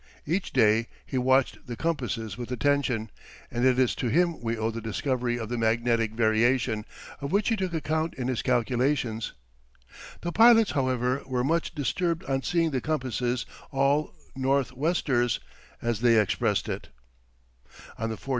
Each day he watched the compasses with attention, and it is to him we owe the discovery of the magnetic variation, of which he took account in his calculations. The pilots, however, were much disturbed on seeing the compasses all "north westers," as they expressed it. [Illustration: Christopher Columbus on board his caravel.